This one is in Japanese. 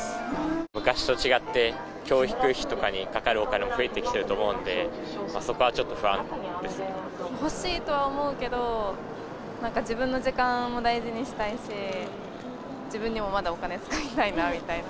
昔と違って教育費とかにかかるお金も増えてきてると思うんで、欲しいとは思うけど、なんか自分の時間も大事にしたいし、自分にもまだお金つかいたいなみたいな。